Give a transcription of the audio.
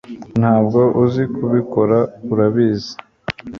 Ntabwo uzi kubikora urabizi